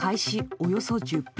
およそ１０分